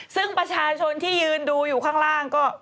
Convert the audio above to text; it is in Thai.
ซึ่งประชาชนที่ยืนดูอยู่ข้างล่างก็